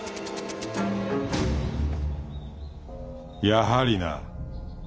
やはりな。